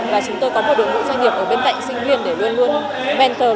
là chúng tôi có một đội ngũ doanh nghiệp ở bên cạnh sinh viên để luôn luôn mentor